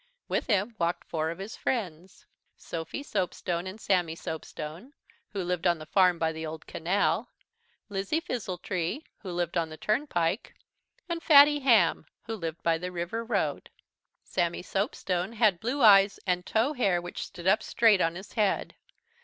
With him walked four of his friends Sophy Soapstone and Sammy Soapstone, who lived on the farm by the Old Canal; Lizzie Fizzletree, who lived on the turnpike; and Fatty Hamm, who lived by the river road. Sammy Soapstone had blue eyes and tow hair which stood up straight on his head.